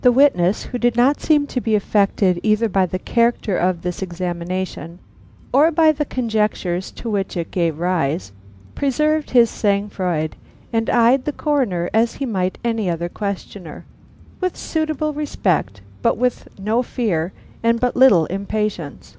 The witness, who did not seem to be affected either by the character of this examination or by the conjectures to which it gave rise, preserved his sang froid, and eyed the Coroner as he might any other questioner, with suitable respect, but with no fear and but little impatience.